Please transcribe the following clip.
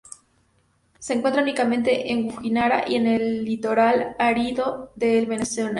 Se encuentra únicamente en La Guajira y el litoral árido de Venezuela.